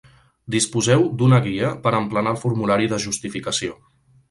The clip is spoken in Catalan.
Disposeu d'una Guia per emplenar el formulari de justificació.